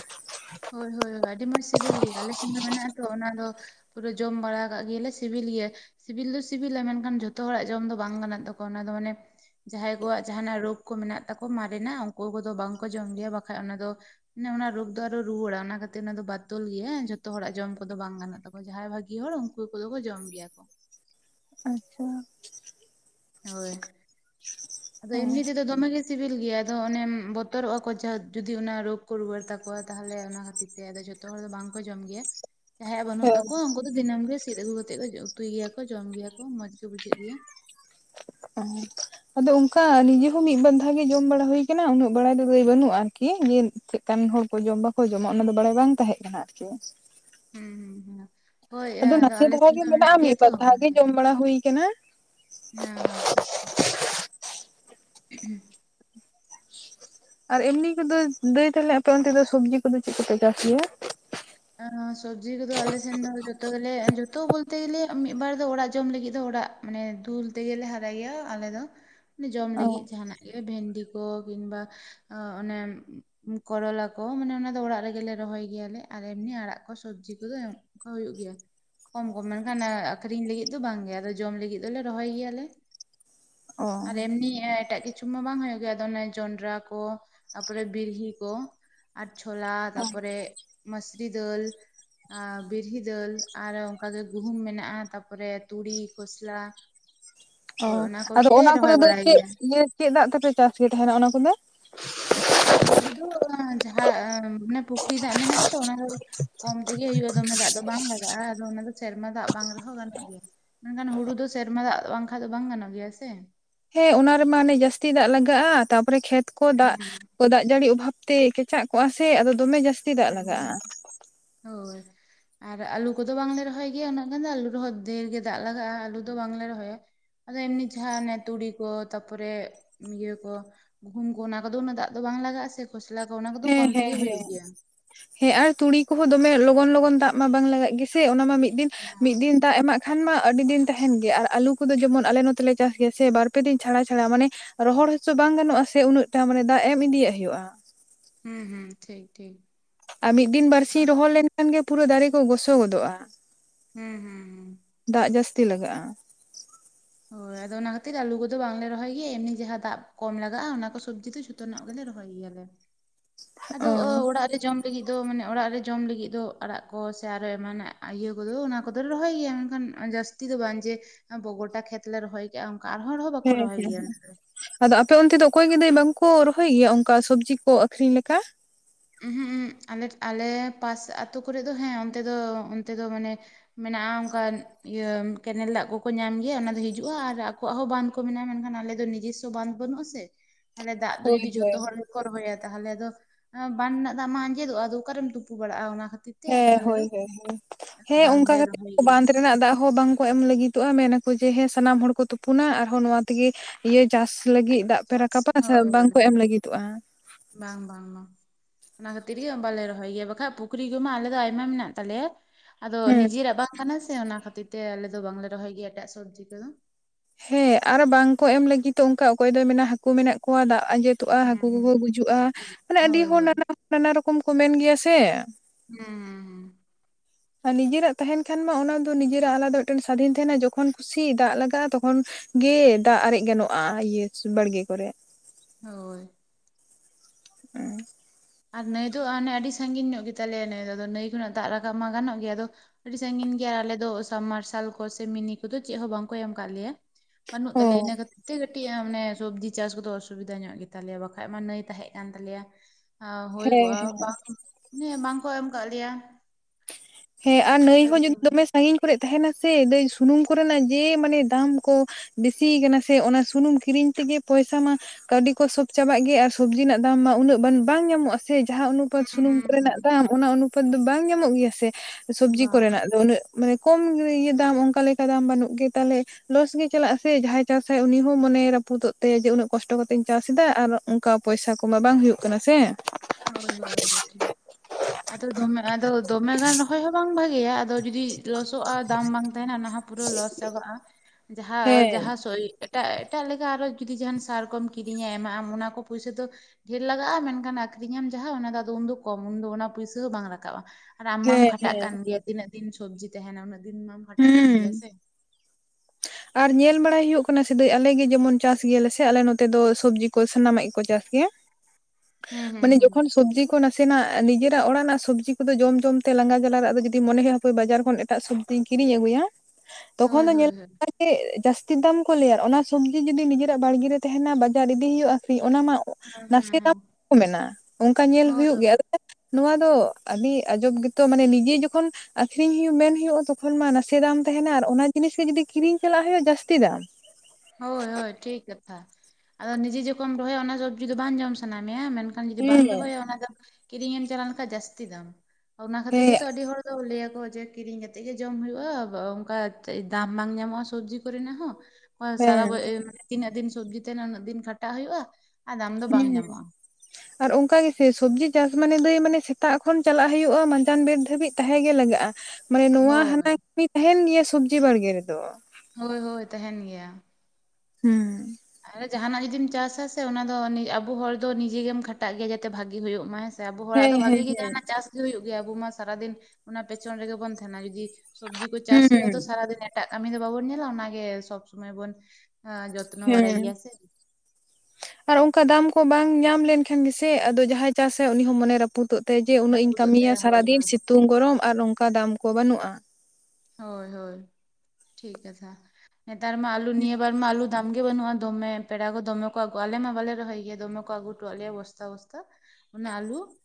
ᱦᱳᱭ ᱦᱳᱭ ᱦᱳᱭ ᱟᱹᱰᱤ ᱢᱚᱸᱡᱽ ᱥᱤᱵᱤᱞ ᱜᱮᱭᱟ ᱟᱞᱮ ᱴᱷᱮᱱ ᱫᱚ ᱢᱮᱱᱟᱜ ᱟᱛᱚ ᱚᱱᱟ ᱫᱚ ᱯᱩᱨᱟᱹ ᱡᱚᱢ ᱵᱟᱲᱟ ᱠᱟᱜ ᱜᱮᱭᱟᱞᱮ ᱥᱤᱵᱤᱞ ᱜᱮᱭᱟ ᱥᱤᱵᱤᱞ ᱫᱚ ᱥᱤᱵᱤᱞᱟ ᱢᱮᱱᱠᱷᱟᱱ ᱡᱷᱚᱛᱚ ᱦᱚᱲᱟᱜ ᱡᱚᱢ ᱫᱚ ᱵᱟᱝ ᱜᱟᱱᱚᱜ ᱛᱟᱠᱚᱣᱟ ᱚᱱᱟ ᱫᱚ ᱢᱟᱱᱮ ᱡᱟᱦᱟᱸᱭ ᱠᱚᱣᱟᱜ ᱡᱟᱦᱟᱸᱱᱟᱜ ᱨᱳᱜᱽ ᱠᱚ ᱢᱮᱱᱟᱜ ᱛᱟᱠᱚ ᱢᱟᱨᱮᱱᱟᱜ ᱩᱱᱠᱩ ᱠᱚᱫᱚ ᱵᱟᱝᱠᱚ ᱡᱚᱢ ᱜᱮᱭᱟ ᱵᱟᱠᱷᱟᱡ ᱚᱱᱟ ᱫᱚ ᱢᱟᱱᱮ ᱚᱱᱟ ᱨᱳᱜ ᱫᱚ ᱟᱨ ᱨᱚ ᱨᱩᱣᱟᱹᱲᱟ ᱚᱱᱟ ᱠᱷᱟᱛᱤᱨ ᱚᱱᱟ ᱫᱚ ᱵᱟᱛᱚᱞ ᱜᱮᱭᱟ ᱦᱮᱸ ᱡᱷᱚᱛᱚ ᱦᱚᱲᱟᱜ ᱡᱚᱢ ᱠᱚᱫᱚ ᱵᱟᱝ ᱜᱟᱱᱚᱜ ᱛᱟᱠᱚᱣᱟ ᱡᱟᱦᱟᱸᱭ ᱵᱷᱟᱜᱤ ᱦᱚᱲ ᱠᱩ ᱠᱚᱫᱚ ᱠᱚ ᱡᱚᱢ ᱜᱮᱭᱟ ᱠᱚ [unintelligible] ᱦᱳᱭ, ᱟᱫᱚ ᱦᱮᱸ ᱮᱢᱱᱤ ᱛᱮᱫᱚ ᱫᱚᱢᱮ ᱜᱮ ᱪᱤᱵᱤᱞ ᱜᱮᱭᱟ ᱟᱫᱚ ᱚᱱᱮ ᱵᱚᱛᱚᱨᱚᱜ-ᱟ ᱠᱚ [inaudible] ᱡᱩᱫᱤ ᱚᱱᱟ ᱨᱳᱜᱽ ᱠᱚ ᱨᱩᱣᱟᱹᱲ ᱛᱟᱠᱚᱣᱟ ᱛᱟᱦᱞᱮ ᱚᱱᱟ ᱠᱷᱟᱹᱛᱤᱨ ᱛᱮ ᱟᱫᱚ ᱡᱷᱚᱛ ᱛᱚ ᱦᱚᱲ ᱫᱚ ᱵᱟᱝ ᱠᱚ ᱡᱚᱢ ᱜᱮᱭᱟ ᱡᱟᱦᱟᱸᱭᱟᱜ ᱵᱟᱹᱱᱩᱜ ᱦᱮᱸ ᱛᱟᱠᱚᱣᱟ, ᱩᱱᱠᱩ ᱫᱚ ᱫᱤᱱᱟᱹᱢ ᱜᱮ ᱥᱤᱫ ᱟᱹᱜᱩ ᱠᱟᱛᱮᱫ ᱠᱚ ᱩᱛᱩᱭ ᱜᱮᱭᱟ ᱠᱚ ᱡᱚᱢ ᱜᱮᱭᱟ ᱠᱚ ᱢᱚᱸᱡᱽ ᱜᱮ ᱵᱩᱡᱷᱟᱹᱜ ᱜᱮᱭᱟ [unintelligible] ᱟᱫᱚ ᱚᱱᱠᱟ ᱱᱤᱡᱮ ᱦᱚᱸ ᱢᱤᱫ ᱵᱟᱨᱫᱷᱟᱣ ᱜᱮ ᱡᱚᱢ ᱵᱟᱲᱟ ᱦᱩᱭ ᱠᱟᱱᱟ ᱩᱱᱟᱹᱜ ᱵᱟᱲᱟᱭ ᱫᱚ ᱫᱟᱹᱭ ᱵᱟᱹᱱᱩᱜ-ᱟ ᱟᱨᱠᱤ ᱡᱮ [unintelligible] ᱦᱚᱲ ᱠᱚ ᱡᱚᱢ ᱵᱟᱠᱚ ᱡᱚᱢᱟ ᱚᱱᱟ ᱫᱚ ᱵᱟᱲᱟᱭ ᱵᱟᱝ ᱛᱟᱦᱮᱸ ᱠᱟᱱᱟ ᱟᱨᱠᱤ ᱦᱩᱸ ᱦᱩᱸ ᱦᱩᱸ, ᱦᱳᱭ ᱟᱫᱚ ᱱᱟᱥᱮ ᱟᱞᱮ ᱫᱷᱟᱨᱟ ᱥᱮᱫ ᱜᱮ ᱫᱚ ᱢᱮᱱᱟᱜ ᱢᱮᱱᱟᱜᱼᱟ ᱜᱮᱭᱟ ᱢᱤᱫ ᱛᱚ ᱵᱟᱨ ᱫᱷᱟᱣ ᱜᱮ ᱡᱚᱢ [unintelligible] ᱵᱟᱲᱟ ᱦᱩᱭ ᱠᱟᱱᱟ [unintelligible] [inaudible] ᱟᱨ ᱮᱢᱱᱤ ᱠᱚᱫᱚ ᱫᱟᱹᱭ ᱛᱟᱦᱞᱮ ᱟᱯᱮ ᱚᱱᱛᱮ ᱫᱚ ᱥᱚᱵᱡᱤ ᱠᱚᱫᱚ ᱪᱮᱜ ᱠᱚᱯᱮ ᱪᱟᱥ ᱜᱤᱭᱟ? ᱟᱸ ᱥᱚᱵᱽᱡᱤ ᱠᱚᱫᱚ ᱟᱞᱮ ᱥᱮᱱ ᱫᱚ ᱡᱚᱛᱚ ᱜᱮᱞᱮ, ᱡᱚᱛᱚ ᱵᱚᱞᱛᱮ ᱜᱮᱞᱮ ᱢᱤᱫ ᱵᱟᱨ ᱫᱚ ᱚᱲᱟᱜ ᱡᱚᱢ ᱞᱟᱹᱜᱤᱫ ᱫᱚ ᱚᱲᱟᱜ ᱢᱟᱱᱮ ᱫᱩᱞ ᱛᱮᱜᱮ ᱞᱮ ᱦᱟᱨᱟᱭ ᱜᱮᱭᱟ ᱟᱞᱮ ᱫᱚ ᱡᱚᱢ ᱚ ᱞᱟᱹᱜᱤᱜ ᱡᱟᱦᱟᱸᱱᱟᱜ ᱜᱮ ᱵᱷᱮᱱᱰᱤ ᱠᱚ ᱠᱤᱢᱵᱟ ᱚ ᱚᱱᱮ ᱠᱚᱨᱚᱞᱟ ᱠᱚ ᱢᱟᱱᱮ ᱚᱱᱟ ᱫᱚ ᱚᱲᱟᱜ ᱨᱮᱜᱮᱞᱮ ᱨᱚᱦᱚᱭ ᱜᱮᱭᱟᱞᱮ ᱟᱨ ᱮᱢᱱᱤ ᱟᱲᱟᱜ ᱠᱚ ᱥᱚᱵᱽᱡᱤ ᱠᱚᱫᱚ [unintelligible] ᱦᱩᱭᱩᱜ ᱜᱮᱭᱟ ᱠᱚᱢ ᱠᱚᱢ ᱢᱮᱱᱠᱷᱟᱱ ᱟᱠᱷᱨᱤᱧ ᱞᱟᱹᱜᱤᱫ ᱫᱚ ᱵᱟᱝ ᱜᱮ ᱟᱫᱚ ᱡᱚᱢ ᱞᱟᱹᱜᱤᱜ ᱫᱚᱞᱮ ᱨᱚᱦᱚᱭ ᱜᱮᱭᱟ ᱞᱮ ᱚ ᱟᱨ ᱮᱢᱱᱤ ᱮᱸ ᱮᱴᱟᱜ ᱠᱤᱪᱷᱩ ᱢᱟ ᱵᱟᱝ ᱦᱩᱭᱩᱜ ᱜᱮᱭᱟ ᱟᱫᱚ ᱚᱱᱮ ᱡᱚᱱᱰᱨᱟ ᱠᱚ, ᱛᱟᱯᱚᱨᱮ ᱵᱤᱞᱦᱤ ᱠᱚ ᱟᱨ ᱪᱷᱚᱞᱟ ᱛᱟᱯᱚᱨᱮᱜ ᱢᱟᱥᱨᱤ ᱫᱟᱹᱞ ᱟᱨ ᱵᱤᱨᱦᱤ ᱫᱟᱹᱞ ᱟᱨ ᱚᱱᱠᱟ ᱜᱮ ᱜᱩᱦᱩᱢ ᱢᱮᱱᱟᱜᱼᱟ, ᱛᱟᱯᱚᱨᱮ ᱛᱩᱲᱤ ᱠᱷᱚᱥᱞᱟ ᱚ ᱦᱳᱭ ᱚᱱᱟ ᱟᱫᱚ ᱠᱚᱜᱮᱞᱮ ᱚᱱᱟ ᱠᱚᱫᱚ ᱨᱚᱦᱚᱭ ᱫᱟᱹᱭ ᱵᱟᱲᱟᱭ ᱪᱮᱫ ᱜᱮᱭᱟ ᱤᱭᱟᱹ ᱪᱮᱫ ᱫᱟᱜ ᱛᱮᱯᱮ ᱪᱟᱥ ᱜᱮ ᱛᱟᱦᱮᱱᱟ ᱚᱱᱟ ᱠᱚᱫᱚ? ᱚᱱᱟ ᱠᱚᱫᱚ ᱡᱟᱦᱟᱸ ᱮ ᱯᱩᱠᱷᱨᱤ ᱫᱟᱜ ᱢᱮᱱᱟᱜᱼᱟ ᱟᱛᱚ ᱚᱱᱟ ᱫᱚ ᱠᱚᱢ ᱛᱮᱜᱮ ᱦᱩᱭᱩᱜᱼᱟ ᱫᱚᱢᱮ ᱫᱟᱜ ᱫᱚ ᱵᱟᱝ ᱞᱟᱜᱟᱜᱼᱟ ᱟᱫᱚ ᱚᱱᱟ ᱫᱚ ᱥᱮᱨᱢᱟ ᱫᱟᱜ ᱵᱟᱝ ᱨᱮᱦᱚᱸ ᱜᱟᱱᱚᱜ ᱜᱮᱭᱟ ᱢᱮᱱᱠᱷᱟᱱ ᱦᱩᱲᱩ ᱫᱚ ᱥᱮᱨᱢᱟ ᱫᱟᱜ ᱵᱟᱝᱠᱷᱟᱱ ᱫᱚ ᱵᱟᱝ ᱜᱟᱱᱚᱜ ᱜᱮᱭᱟ ᱥᱮ ᱦᱮᱸ ᱚᱱᱟ ᱨᱮᱢᱟ ᱦᱟᱱᱮ ᱡᱟᱹᱥᱛᱤ ᱫᱟᱜ ᱞᱟᱜᱟᱜᱼᱟ ᱛᱟᱨᱯᱚᱨᱮ ᱠᱷᱮᱛ ᱠᱚ ᱦᱩᱸ ᱫᱟᱜ ᱦᱩᱸ [unintelligible] ᱫᱟᱜ ᱡᱟᱲᱤ ᱚᱵᱷᱟᱵᱽ ᱛᱮ ᱠᱮᱪᱟᱜ ᱠᱚᱜᱼᱟ ᱥᱮ ᱟᱫᱚ ᱫᱚᱢᱮ ᱡᱟᱹᱥ ᱦᱮᱸ ᱦᱮᱸ, ᱦᱳᱭ ᱟᱨ ᱟᱹᱞᱩ ᱠᱚᱫᱚ ᱵᱟᱝᱞᱮ ᱨᱚᱦᱚᱭ ᱜᱮᱭᱟ ᱩᱱᱟᱹᱜ ᱜᱟᱱ ᱫᱚ, ᱟᱹᱞᱩ ᱨᱮᱦᱚᱸ ᱰᱷᱮᱨ ᱜᱮ ᱫᱟᱜ ᱞᱟᱜᱟᱜᱼᱟ ᱟᱹᱞᱩ ᱫᱚ ᱵᱟᱝᱞᱮ ᱨᱚᱦᱚᱭᱟ᱾ ᱟᱫᱚ ᱮᱢᱱᱤ ᱡᱟᱦᱟᱸ ᱚᱱᱮ ᱛᱩᱲᱤ ᱠᱚ, ᱛᱟᱯᱚᱨᱮ ᱤᱭᱟᱹ ᱠᱚ, ᱜᱩᱦᱩᱢ ᱠᱚ ᱚᱱᱟ ᱠᱚᱫᱚ ᱩᱱᱟᱹᱜ ᱫᱟᱜ ᱫᱚ ᱵᱟᱝ ᱞᱟᱜᱟᱜᱼᱟ ᱥᱮ ᱠᱷᱚᱥᱞᱟ ᱠᱚ ᱚᱱᱟ ᱠᱚᱫᱚ ᱦᱮᱸ ᱠᱚᱢ ᱦᱮᱸ ᱛᱮᱜᱮ ᱦᱩᱭᱩᱜ ᱦᱮᱸ᱾ ᱜᱮᱭᱟ᱾ ᱦᱮᱸ ᱟᱨ ᱛᱩᱲᱤ ᱠᱚᱦᱚᱸ ᱫᱚᱢᱮ ᱞᱚᱜᱚᱱ ᱞᱚᱜᱚᱱ ᱫᱟᱜ ᱢᱟ ᱵᱟᱝ ᱞᱟᱜᱟᱜ ᱜᱮᱥᱮ ᱚᱱᱟᱢᱟ ᱢᱤᱫ ᱫᱤᱱ, ᱵᱟᱝ ᱢᱤᱫ ᱫᱤᱱ ᱫᱟᱜ ᱮᱢᱟᱜ ᱠᱷᱟᱱ ᱢᱟ ᱟᱹᱰᱤ ᱫᱤᱱ ᱛᱟᱦᱮᱸᱱ ᱜᱮᱭᱟ ᱟᱨ ᱟᱞᱩ ᱠᱚᱫᱚ ᱡᱮᱢᱚᱱ ᱟᱞᱮ ᱱᱚᱛᱮ ᱞᱮ ᱪᱟᱥ ᱜᱮᱭᱟ ᱥᱮ ᱵᱟᱨ ᱯᱮ ᱫᱤᱱ ᱪᱷᱟᱲᱟ ᱪᱷᱟᱲᱟ ᱢᱟᱱᱮ ᱨᱚᱦᱚᱲ ᱦᱚᱪᱚ ᱵᱟᱝ ᱜᱟᱱᱚᱜᱼᱟ ᱥᱮ ᱩᱱᱟᱹᱜᱴᱟᱜ ᱢᱟᱱᱮ ᱫᱟᱜ ᱮᱢ ᱤᱫᱤᱭᱟᱜ ᱦᱩᱭᱩᱜᱼᱟ᱾ ᱦᱩᱸ ᱦᱩᱸ ᱴᱷᱤᱠ ᱴᱷᱤᱠ᱾ ᱟᱨ ᱢᱤᱫ ᱫᱤᱱ ᱵᱟᱨᱥᱤᱧ ᱨᱚᱦᱚᱲ ᱞᱮᱱᱠᱷᱟᱱ ᱜᱮ ᱯᱩᱨᱟᱹ ᱫᱟᱨᱮ ᱠᱚ ᱜᱚᱥᱚ ᱜᱚᱫᱚᱜᱼᱟ᱾ ᱦᱩᱸ ᱦᱩᱸ ᱦᱩᱸ᱾ ᱫᱟᱜ ᱡᱟᱹᱥᱛᱤ ᱞᱟᱜᱟᱜᱼᱟ᱾ ᱦᱳᱭ ᱟᱫᱚ ᱚᱱᱟ ᱠᱷᱟᱹᱛᱤᱨ ᱟᱞᱩ ᱠᱚᱫᱚ ᱵᱟᱝᱞᱮ ᱨᱚᱦᱚᱭ ᱜᱮᱭᱟ ᱮᱢᱱᱤ ᱡᱟᱦᱟᱸ ᱫᱟᱜ ᱠᱚᱢ ᱞᱟᱜᱟᱜᱼᱟ ᱚᱱᱟ ᱠᱚ ᱥᱚᱵᱽᱡᱤ ᱫᱚ ᱡᱷᱚᱛᱚᱱᱟᱜ ᱜᱮᱞᱮ ᱨᱚᱦᱚᱭ ᱜᱮᱭᱟᱞᱮ᱾ ᱟᱫᱚ ᱚ ᱚᱲᱟᱜ ᱨᱮ ᱡᱚᱢ ᱞᱟᱹᱜᱤᱫ ᱫᱚ ᱢᱟᱱᱮ ᱚᱲᱟᱜ ᱨᱮ ᱡᱚᱢ ᱞᱟᱹᱜᱤᱫ ᱫᱚ ᱟᱲᱟᱜ ᱠᱚ ᱥᱮ ᱟᱨᱚ ᱮᱢᱟᱱᱟᱜ ᱤᱭᱟᱹ ᱠᱚᱫᱚ ᱚᱱᱟ ᱠᱚᱫᱚ ᱨᱚᱦᱚᱭ ᱜᱮᱭᱟ ᱢᱮᱱᱠᱷᱟᱱ ᱡᱟᱥ ᱛᱤ ᱫᱚ ᱵᱟᱝ ᱡᱮ, ᱜᱚᱴᱟ ᱠᱷᱮᱛ ᱞᱮ ᱨᱚᱦᱚᱭ ᱠᱮᱜ-ᱟ ᱚᱱᱠᱟ ᱟᱨ ᱦᱚᱲ ᱦᱟᱸᱸᱵᱟᱠᱚ ᱦᱮᱸ ᱨᱚᱦᱚᱭ ᱦᱮᱸ ᱜᱮᱭᱟ ᱱᱟᱠᱷᱟᱱ᱾ ᱟᱫᱚ ᱟᱯᱮ ᱚᱱᱛᱮ ᱫᱚ ᱚᱠᱚᱭ ᱜᱮ ᱫᱟᱹᱭ ᱵᱟᱝ ᱠᱚ ᱨᱚᱦᱚᱭ ᱜᱮᱭᱟ ᱚᱱᱠᱟ ᱥᱚᱵᱽᱡᱤ ᱠᱚ ᱟᱠᱷᱨᱤᱧ ᱞᱮᱠᱟ? ᱩᱸᱦᱩᱜ ᱩᱸᱦᱩᱜ ᱟᱞᱮ, ᱟᱞᱮ ᱯᱟᱥ ᱟᱛᱩ ᱠᱚᱨᱮ ᱫᱚ ᱦᱮᱸ ᱚᱱᱛᱮ ᱫᱚ, ᱚᱱᱛᱮ ᱫᱚ ᱢᱟᱱᱮ ᱢᱮᱱᱟᱜᱼᱟ ᱚᱝᱠᱟᱱ ᱤᱭᱟᱹ, ᱠᱮᱱᱮᱞ ᱫᱟᱜ ᱠᱚᱠᱚ ᱧᱟᱢ ᱜᱮᱭᱟ ᱚᱱᱟ ᱫᱚ ᱦᱤᱡᱩᱜᱼᱟ ᱟᱨ ᱟ ᱠᱚᱣᱟᱜ ᱦᱚᱸ ᱵᱟᱸᱫ ᱠᱚ ᱢᱮᱱᱟᱜᱼᱟ ᱢᱮᱱᱠᱷᱟᱱ ᱟᱞᱮ ᱫᱚ ᱱᱤᱡᱮᱥᱥᱚ ᱵᱟᱸᱫ ᱵᱟᱹᱱᱩᱜ-ᱟ ᱥᱮ, ᱛᱟᱦᱚᱞᱮ ᱫᱟᱜ ᱫᱚ ᱦᱳᱭ ᱡᱩᱫᱤ ᱦᱳᱭ ᱡᱷᱚᱛᱚ ᱦᱚᱲ ᱜᱮᱠᱚ ᱨᱚᱦᱚᱭᱟ ᱛᱟᱦᱚᱞᱮ ᱫᱚ ᱟᱸ ᱵᱟᱱ ᱨᱮᱱᱟᱜ ᱫᱟᱜ ᱢᱟ ᱟᱸᱡᱮᱫᱚᱜᱼᱟ ᱟᱫᱚ ᱚᱠᱟ ᱨᱮᱢ ᱛᱩᱯᱩ ᱵᱟᱲᱟᱜᱼᱟ ᱚᱱᱟ ᱠᱷᱟᱹᱛᱤᱨ- ᱛᱮ ᱟᱫᱚ ᱦᱮᱸ ᱟᱞᱮ ᱫᱚ ᱦᱳᱭ ᱦᱳᱭ ᱦᱳᱭ, ᱦᱮᱸ ᱚᱝᱠᱟ ᱵᱟᱝᱞᱮ ᱠᱟᱛᱮᱜ ᱨᱚᱦᱚᱭ ᱜᱮᱭᱟ ᱵᱟᱸᱫ ᱚᱱᱠᱟ ᱨᱮᱱᱟᱜ ᱫᱟᱜ ᱦᱚᱸ ᱵᱟᱝ ᱠᱚ ᱮᱢ ᱞᱟᱹᱜᱤᱼᱼ ᱛᱚᱜᱼᱟ ᱢᱮᱱᱟᱠᱚ ᱡᱮ ᱦᱮᱸ ᱥᱟᱱᱟᱢ ᱦᱚᱲ ᱠᱚ ᱛᱩᱯᱩᱱᱟ ᱟᱨᱦᱚᱸ ᱱᱚᱣᱟ ᱛᱮᱜᱮ ᱤᱭᱟᱹ ᱪᱟᱥ ᱞᱟᱹᱜᱤᱫ ᱫᱟᱜ ᱯᱮ ᱪᱟᱥ ᱨᱟᱠᱟᱵᱟ ᱥᱮ ᱦᱳᱭ ᱵᱟᱝ ᱦᱳᱭ ᱠᱚ ᱮᱢ ᱞᱟᱹᱜᱤᱫᱚᱜᱼᱟ᱾ ᱵᱟᱝ ᱵᱟᱝ ᱵᱟᱝ᱾ ᱚᱱᱟ ᱠᱷᱟᱹᱛᱤᱨ ᱜᱮ ᱵᱟᱞᱮ ᱨᱚᱦᱚᱭ ᱜᱮᱭᱟ ᱵᱟᱠᱷᱟᱡ ᱯᱩᱠᱷᱨᱤ ᱠᱚᱢᱟ ᱟᱞᱮ ᱫᱚ ᱟᱭᱢᱟ ᱢᱮᱱᱟᱜ ᱛᱟᱞᱮ, ᱟᱫᱚ ᱦᱮᱸ ᱱᱤᱡᱮᱨᱟᱜ ᱵᱟᱝ ᱠᱟᱱᱟ ᱥᱮ ᱚᱱᱟ ᱠᱷᱟᱹᱛᱤᱨ ᱛᱮ ᱟᱞᱮ ᱫᱚ ᱵᱟᱝᱞᱮ ᱨᱚᱦᱚᱭ ᱜᱮᱭᱟ ᱮᱴᱟᱜ ᱥᱚᱵᱽᱡᱤ ᱠᱚᱫᱚ᱾ ᱦᱮᱸ ᱟᱨ ᱵᱟᱝᱠᱚ ᱮᱢ ᱞᱟᱹᱜᱤᱫᱚᱜ ᱚᱝᱠᱟ ᱚᱠᱚᱭ ᱫᱚᱭ ᱢᱮᱱᱟ ᱦᱟᱠᱩ ᱢᱮᱱᱟᱜ ᱠᱚᱣᱟ ᱫᱟᱜ ᱟᱸᱡᱮ ᱛᱚᱜᱼᱟ ᱦᱩᱸ ᱦᱟᱠᱩ ᱦᱩᱸ ᱠᱚᱠᱚ ᱜᱩᱡᱩᱜᱼᱟ, ᱢᱟᱱᱮ ᱟᱰᱤ ᱦᱳᱭ ᱦᱚᱲ ᱦᱳᱭ ᱱᱟᱱᱟ [inaudible] ᱱᱟᱱᱟ ᱨᱚᱠᱚᱢ ᱠᱚ ᱢᱮᱱ ᱜᱮᱭᱟ ᱥᱮ, ᱦᱩᱸ ᱦᱩᱸ᱾ ᱟᱨ ᱱᱤᱡᱮᱨᱟᱜ ᱛᱟᱦᱮᱸᱱ ᱠᱷᱟᱱ ᱢᱟ ᱚᱱᱟᱫᱚ ᱱᱤᱡᱮᱨᱟᱜ ᱟᱞᱟᱫᱟ ᱢᱤᱫᱴᱟᱝ ᱥᱟᱫᱷᱤᱱ ᱛᱟᱦᱮᱸᱱᱟ ᱡᱚᱠᱷᱚᱱ ᱠᱩᱥᱤ ᱫᱟᱜ ᱞᱟᱜᱟᱜᱼᱟ ᱛᱚᱠᱷᱚᱱ ᱜᱮ ᱫᱟᱜ ᱟᱨᱮᱡ ᱜᱟᱱᱚᱜᱼᱟ ᱤᱭᱟᱹ ᱵᱟᱲᱜᱮ ᱠᱚᱨᱮ᱾ ᱦᱳᱭ᱾ ᱦᱩᱸᱜ-ᱩᱸ᱾ ᱟᱨ ᱱᱟᱹᱭ ᱫᱚ ᱦᱟᱱᱮ ᱟᱹᱰᱤ ᱥᱟᱺᱜᱤᱧ ᱧᱚᱜ ᱜᱮ ᱛᱟᱞᱮᱭᱟ ᱱᱟᱹᱭ ᱫᱚ, ᱟᱫᱚ ᱱᱟᱹᱭ ᱠᱷᱚᱱᱟᱜ ᱫᱟᱜ ᱨᱟᱠᱟᱵ ᱢᱟ ᱜᱟᱱᱚᱜ ᱜᱮᱭᱟ ᱟᱫᱚ ᱟᱹᱰᱤ ᱥᱟᱺᱜᱤᱧ ᱜᱮᱭᱟ ᱟᱞᱮ ᱫᱚ ᱥᱟᱢᱢᱟᱨᱥᱟᱞ ᱠᱚ ᱥᱮ ᱢᱤᱱᱤ ᱠᱚᱫᱚ ᱪᱮᱫ ᱦᱚᱸ ᱵᱟᱝ ᱠᱚ ᱮᱢ ᱠᱟᱜ ᱞᱮᱭᱟ᱾ ᱵᱟᱹᱱᱩᱜ ᱚ ᱛᱟᱞᱮ ᱤᱱᱟᱹ ᱠᱷᱟᱹᱛᱤᱨ ᱛᱮᱜᱮ ᱼᱼᱴᱤᱡ ᱤᱭᱟᱹ ᱢᱟᱱᱮ ᱥᱚᱵᱽᱡᱤ ᱪᱟᱥ ᱠᱚᱫᱚ ᱚᱥᱩᱵᱤᱫᱟ ᱧᱚᱜ ᱜᱮ ᱛᱟᱞᱮᱭᱟ ᱵᱟᱠᱷᱟᱡ ᱢᱟ ᱱᱟᱹᱭ ᱛᱟᱦᱮᱸᱜ ᱠᱟᱱ ᱛᱟᱞᱮᱭᱟ᱾ ᱟᱸ ᱦᱳᱭ ᱦᱮᱸ ᱠᱚᱜᱼᱟ, ᱦᱮᱸ ᱵᱟᱝ [unintelligible] ᱵᱟᱝᱠᱚ ᱮᱢ ᱠᱟᱜ ᱞᱮᱭᱟ᱾ ᱦᱮᱸ ᱟᱨ ᱱᱟᱹᱭ ᱥᱟᱞ ᱦᱚᱸ ᱫᱚ ᱡᱩᱫᱤ ᱫᱚᱢᱮ ᱥᱟᱺᱜᱤᱧ ᱠᱚᱨᱮᱫ ᱛᱟᱦᱮᱸᱱᱟ ᱥᱮ ᱫᱟᱹᱭ ᱥᱩᱱᱩᱢ ᱠᱚ ᱨᱮᱱᱟᱜ ᱡᱮ ᱢᱟᱱᱮ ᱫᱟᱢ ᱠᱚ, ᱵᱮᱥᱤᱭ ᱠᱟᱱᱟ ᱥᱮ ᱚᱱᱟ ᱥᱩᱱᱩᱢ ᱠᱤᱨᱤᱧ ᱛᱮᱜᱮ ᱯᱚᱭᱥᱟ ᱢᱟ ᱠᱟᱹᱣᱰᱤ ᱠᱚ ᱥᱚᱵ ᱪᱟᱵᱟᱜ ᱜᱮᱭᱟ ᱟᱨ ᱥᱚᱵᱽᱡᱤ ᱨᱮᱱᱟᱜ ᱫᱟᱢ ᱢᱟ ᱩᱱᱟᱹᱜ ᱵᱟᱹᱱᱩ ᱵᱟᱝ ᱧᱟᱢᱚᱜᱼᱟ ᱥᱮ ᱡᱟᱦᱟᱸ ᱚᱱᱩᱯᱟᱛ ᱦᱩᱸ ᱥᱩᱱᱩᱢ ᱠᱚ ᱨᱮᱱᱟᱜ ᱦᱩᱸ ᱫᱟᱢ ᱚᱱᱟ ᱚᱱᱩᱯᱟᱛ ᱫᱚ ᱵᱟᱝ ᱧᱟᱢᱚᱜ ᱜᱮᱭᱟ ᱥᱮ, ᱦᱩᱸ ᱥᱚᱵᱽᱡᱤ ᱠᱚ ᱵᱟᱝ ᱨᱮᱱᱟᱜ ᱫᱚ ᱩᱱᱟᱹᱜ ᱢᱟᱱᱮ ᱠᱚᱢ ᱤᱭᱟᱹ ᱫᱟᱢ ᱚᱝᱠᱟ ᱞᱮᱠᱟ ᱫᱟᱢ ᱵᱟᱹᱱᱩᱜ ᱜᱮ ᱛᱟᱦᱚᱞᱮ ᱞᱚᱥ ᱜᱮ ᱪᱟᱞᱟᱜ ᱟ ᱥᱮᱮ ᱡᱟᱦᱟᱸᱭ ᱪᱟᱥᱟᱭ ᱩᱱᱤᱦᱚᱸ ᱢᱟᱱᱮ ᱨᱟᱹᱯᱩᱫᱚᱜ ᱛᱟᱭᱟ ᱡᱮ ᱩᱱᱟᱹᱜ ᱠᱚᱥᱴᱚ ᱠᱟᱛᱮᱧ ᱪᱟᱥ ᱮᱟ ᱟᱨ ᱚᱝᱠᱟ ᱯᱚᱭᱥᱟ ᱠᱚᱢᱟ ᱵᱟᱝ ᱦᱩᱭᱩᱜ ᱠᱟᱱᱟ ᱥᱮ ᱦᱳᱭ ᱦᱳᱭᱭ ᱴᱷᱤ ᱟᱫᱚ ᱫᱚᱢᱮ ᱟᱫᱚ ᱫᱚᱢᱮ ᱜᱟᱱ ᱨᱚᱦᱚᱭ ᱦᱚᱸ ᱵᱟᱝ ᱵᱷᱟᱜᱮᱭᱟ ᱟᱫᱚ ᱡᱩᱫᱤ ᱞᱚᱥᱚᱜᱼᱟ ᱫᱟᱢ ᱵᱟᱝ ᱛᱟᱦᱮᱱᱟ ᱚᱱᱟ ᱦᱚᱸᱚᱸ ᱯᱩᱨᱟᱹ ᱞᱚᱥ ᱪᱟᱵᱟᱜᱼᱟ ᱡᱟᱦᱟᱸ ᱦᱮᱸ ᱡᱟᱦᱟᱸ ᱥᱚᱭ ᱮᱴᱟᱜ ᱮᱴᱟᱜ ᱞᱮᱠᱟ ᱟᱨᱚ ᱡᱩᱫᱤ ᱡᱟᱦᱟᱱ ᱥᱟᱨᱠᱢ ᱠᱤᱨᱤᱧᱟ ᱮᱢᱟᱜ ᱟᱢ ᱚᱱᱟ ᱠᱚ ᱯᱩᱭᱥᱟᱹ ᱫᱚ ᱡᱮᱞ ᱞᱟᱜᱟᱜᱼᱟ ᱢᱮᱱᱠᱷᱟᱱ ᱟᱹᱠᱷᱨᱤᱧᱟᱢ ᱡᱟᱦᱟᱸ ᱚᱱᱟ ᱫᱚ ᱟᱫᱚ ᱩᱱᱫᱚ ᱠᱚᱢ ᱩᱱᱫᱚ ᱚᱱᱟ ᱯᱩᱭᱥᱟᱹ ᱦᱚᱸ ᱵᱟᱝ ᱨᱟᱠᱟᱵᱼᱟ ᱟᱨ ᱟᱢ ᱢᱟᱢ ᱦᱮᱸ ᱠᱷᱟᱴᱟᱜ ᱦᱮᱸ ᱠᱟᱱ ᱜᱮᱭᱟ ᱛᱤᱱᱟᱹᱜ ᱫᱤᱱ ᱥᱚᱵᱡᱤ ᱛᱟᱦᱮᱱᱟ ᱩᱱᱟᱹᱜ ᱫᱤᱱ ᱢᱟᱢ ᱠᱷᱴᱟᱜ ᱠᱟᱱ ᱜᱮᱭᱟ ᱦᱩᱸ ᱥᱮ ᱟᱨ ᱧᱮᱞ ᱵᱟᱲᱟᱭ ᱦᱩᱭᱩᱜ ᱠᱟᱱᱟ ᱥᱟᱭ ᱟᱞᱮ ᱡᱮᱢᱚᱱ ᱪᱟᱥ ᱜᱮᱭᱟᱞᱮ ᱟᱞᱮ ᱱᱚᱛᱮ ᱫᱚ ᱥᱚᱵᱡᱤ ᱠᱚ ᱥᱟᱱᱟᱢᱟᱜ ᱜᱮᱠᱚ ᱪᱟᱥ ᱜᱮᱭᱟ ᱦᱩᱸ ᱦᱩᱸ ᱢᱟᱱᱮ ᱦᱩᱸ ᱡᱚᱠᱷᱚᱱ ᱥᱚᱵᱽᱡᱤ ᱱᱟᱥᱮᱱᱟᱜ ᱱᱤᱡᱮᱨᱟᱜ ᱚᱲᱟᱜ ᱨᱮᱱᱟᱜ ᱥᱚᱵᱽᱡᱤ ᱠᱚᱫᱚ ᱡᱚᱢ ᱡᱚᱢ ᱛᱮ ᱞᱟᱸᱜᱟ ᱡᱟᱞᱟᱟᱜ ᱡᱫᱤ ᱢᱚᱱᱮᱭᱟᱭ ᱵᱟᱡᱟᱨ ᱠᱷᱚᱱ ᱮᱴᱟᱜ ᱥᱚᱵᱽᱡᱤᱧ ᱠᱤᱨᱤᱧ ᱟᱹᱜᱩᱭᱟ ᱛᱚᱠᱷᱚᱱ ᱦᱳᱭ ᱫᱚ ᱧᱮᱞ ᱦᱳᱭ ᱦᱳᱭ ᱦᱮᱸ ᱡᱟᱹᱥᱛᱤ ᱫᱟᱢ ᱠᱚ ᱞᱟᱹᱭᱟ ᱟᱨ ᱚᱱᱟ ᱥᱚᱵᱽᱡᱤ ᱡᱩᱫᱤ ᱱᱤᱡᱮᱨᱟᱜ ᱵᱟᱲᱜᱮ ᱨᱮ ᱛᱟᱦᱮᱱᱟ ᱵᱟᱡᱟᱨ ᱤᱫᱤ ᱦᱩᱭᱩᱜᱼᱟ ᱟᱹᱷᱨᱤᱤᱧ ᱚᱱᱟ ᱢᱟ ᱦᱮᱸ ᱦᱮᱸ [unintelligible] ᱠᱚ ᱢᱮᱱᱟ ᱚᱱᱠᱟ ᱧᱮᱞ ᱦᱳᱭ ᱦᱩᱭᱩᱜ ᱜᱮᱭᱟ ᱦᱳᱭ ᱱᱚᱣᱟ ᱫᱚ ᱟᱹᱰᱤ ᱟᱸᱡᱚᱢ ᱜᱮᱛᱚ ᱢᱟᱱᱮ ᱱᱤᱡᱮ ᱡᱚᱠᱷᱚᱱ ᱟᱠᱷᱨᱤᱧ ᱦᱩᱭᱩᱜ ᱢᱮᱱ ᱦᱳᱭᱳᱜᱼᱟ ᱛᱚᱠᱷᱚᱱ ᱢᱟ ᱱᱟᱥᱮ ᱫᱟᱢ ᱛᱟᱦᱮᱱᱟ ᱟᱨ ᱚᱱᱟ ᱡᱤᱱᱤᱥ ᱜᱮ ᱡᱩᱫᱤ ᱠᱤᱨᱤᱧ ᱪᱟᱞᱟᱜ ᱦᱳᱭᱜ ᱡᱟᱹᱥᱛᱤ ᱫᱟᱢ ᱦᱳᱭ ᱦᱳᱭ ᱴᱷᱤᱠ ᱠᱟᱛᱷᱟ ᱟᱫᱚ ᱱᱤᱡᱮ ᱡᱚᱚᱠᱚᱢ ᱨᱚᱦᱚᱭ ᱚᱱᱟ ᱥᱚᱵᱽᱡᱤ ᱫᱚ ᱵᱟᱝ ᱡᱚᱢ ᱥᱟᱱᱟᱭ ᱢᱮᱭᱟ ᱢᱮᱱᱠᱷᱟᱱ ᱟᱢ ᱡᱩᱫᱤ ᱵᱟᱢ ᱦᱮᱸ ᱨᱚᱦᱚᱭᱟ ᱚᱱᱟ ᱫᱚ ᱠᱤᱨᱤᱧᱮ ᱮᱢ ᱪᱟᱞᱟᱣ ᱞᱮᱱᱠᱷᱟᱱ ᱡᱟᱹᱥᱛᱤ ᱫᱟᱢ ᱚᱱᱟ ᱠᱷᱟᱹᱛᱤᱨ ᱦᱮᱸ ᱜᱮᱛᱚ ᱟᱹᱰᱤ ᱦᱚᱲ ᱞᱟᱹᱭᱟᱠᱚ ᱡᱮ ᱠᱤᱨᱤᱧ ᱠᱟᱛᱮᱜ ᱜᱮ ᱡᱚᱢ ᱦᱩᱭᱩᱜᱼᱟ ᱚᱱᱠᱟ ᱫᱟᱢ ᱵᱟᱝ ᱧᱟᱢᱚᱜᱼᱟ ᱥᱚᱵᱽᱡᱤ ᱠᱚᱨᱮᱱᱟᱜ ᱦᱚᱸ ᱥᱟᱨᱟ ᱦᱮᱸ ᱛᱤᱱᱟᱹᱜ ᱫᱤᱱ ᱥᱚᱵᱡᱤ ᱛᱟᱦᱮᱱᱟ ᱩᱱᱟᱹᱜ ᱫᱤᱱ ᱠᱷᱟᱴᱟᱜ ᱦᱩᱭᱩᱜᱼᱟ ᱟᱨ ᱫᱟᱢ ᱫᱚ ᱵᱟᱝ ᱦᱩᱸ ᱧᱟᱢᱚᱜᱼᱟ ᱟᱨ ᱚᱱᱠᱟ ᱜᱮᱥᱮ ᱥᱚᱵᱽᱡᱤ ᱪᱟᱥ ᱢᱟᱱᱮ ᱫᱟᱹᱭ ᱢᱟᱱᱮ ᱥᱮᱛᱟᱜ ᱠᱷᱚᱱ ᱪᱟᱞᱟᱜ ᱦᱩᱭᱩᱜᱼᱟ ᱢᱟᱟᱸᱪᱟᱱ ᱵᱮᱨ ᱫᱷᱟᱹᱵᱤᱡ ᱛᱟᱦᱮᱸ ᱜᱮ ᱞᱟᱜᱟᱜᱼᱟ ᱢᱟᱱᱮ ᱱᱚᱶᱟ ᱦᱳᱭ ᱦᱟᱱᱟ ᱠᱟᱹᱢᱤ ᱛᱟᱦᱮᱱ ᱜᱮᱭᱟ ᱥᱚᱵᱡᱤ ᱵᱟᱲᱜᱮ ᱨᱮᱫᱚ ᱦᱳᱭ ᱦᱳᱭ ᱛᱟᱦᱮᱱ ᱜᱮᱭᱟ ᱦᱩᱸ ᱟᱨ ᱡᱟᱦᱟᱱᱟᱜ ᱡᱩᱫᱤᱢ ᱪᱟᱥᱟ ᱥᱮ ᱚᱱᱟ ᱫᱚ ᱟᱵᱚ ᱦᱚᱲ ᱫᱚ ᱱᱤᱡᱮ ᱜᱮᱢ ᱠᱷᱟᱴᱟᱜ ᱜᱮᱭᱟ ᱡᱟᱛᱮ ᱵᱷᱟᱜᱤ ᱦᱳᱭᱜ ᱢᱟ ᱦᱮᱸ ᱥᱮ ᱥᱮ ᱟᱵᱚ ᱦᱚᱲᱟᱜ ᱦᱮᱸ ᱫᱚ ᱦᱮᱸ ᱵᱷᱟᱜᱤ ᱜᱮ ᱦᱮᱸ ᱡᱟᱦᱟᱱᱟᱜ ᱪᱟᱥ ᱜᱮ ᱦᱩᱭᱩᱜ ᱜᱮᱭᱟ ᱟᱵᱚ ᱢᱟ ᱥᱟᱨᱟᱫᱤᱱ ᱚᱱᱟ ᱯᱮᱪᱷᱚᱱ ᱨᱮᱜᱮ ᱵᱚᱱ ᱛᱟᱦᱮᱱᱟ ᱡᱩᱫᱤ ᱥᱚᱵᱡᱤ ᱠᱚ ᱪᱟᱥ ᱦᱩᱸ ᱦᱩᱭᱩᱜᱼᱟᱫᱚ ᱥᱟᱨᱟᱫᱤᱱ ᱮᱴᱟᱜ ᱠᱟᱹᱢᱤ ᱫᱚ ᱵᱟᱵᱚᱱ ᱧᱮᱞᱟ ᱚᱱᱟᱜᱮ ᱥᱚᱵᱽ ᱥᱩᱚᱢᱚᱭ ᱵᱚᱱ ᱡᱚ ᱦᱩᱸ ᱟᱨ ᱚᱝᱠᱟ ᱫᱟᱢ ᱠᱚ ᱵᱟᱝ ᱧᱟᱢ ᱞᱮᱱᱠᱷᱟᱱ ᱜᱮᱥᱮ ᱟᱫᱚ ᱡᱟᱦᱟᱸᱭ ᱪᱟᱥᱮ ᱩᱱᱤ ᱦᱚᱸᱚᱸ ᱢᱚᱱᱮ ᱨᱟᱹᱯᱩᱫᱚᱜ ᱛᱮ ᱡᱮ ᱩᱱᱟᱹᱜ ᱤᱧ ᱨᱟᱹᱯᱩᱫᱚᱜ ᱠᱟᱹᱢᱤᱭᱟ ᱛᱟᱭᱟ ᱦᱳᱭ ᱥᱟᱨᱟᱫᱤᱱ ᱦᱳᱭ ᱥᱤᱛᱩᱝ ᱜᱚᱨᱚᱢ ᱟᱨ ᱚᱱᱠᱟ ᱫᱟᱢ ᱠᱚ ᱵᱟᱹᱱᱩᱜᱼᱟ ᱦᱳᱭ ᱦᱳᱭ ᱴᱷᱤᱠ ᱠᱟᱛᱷᱟ ᱱᱮᱛᱟᱨ ᱢᱟ ᱟᱹᱞᱩ ᱱᱤᱭᱟᱹ ᱵᱟᱨ ᱢᱟ ᱟᱞᱩ ᱫᱟᱢ ᱜᱮ ᱵᱟᱹᱱᱩᱜᱼᱟ ᱫᱚᱢᱮ ᱯᱮᱲᱟ ᱠᱚ ᱫᱚᱢᱮ ᱠᱚ ᱟᱹᱩᱣᱟ ᱟᱞᱮ ᱢᱟ ᱵᱟᱞᱮ ᱨᱚᱦᱚᱭ ᱜᱮᱭᱟ ᱫᱚᱢᱮ ᱠᱚ ᱟᱹᱜᱩ ᱦᱚᱴᱚᱣᱟᱞ ᱞᱮᱭᱟ ᱵᱚᱥᱛᱟ ᱵᱚᱥᱛᱟ ᱚᱱᱟ ᱟᱞᱩ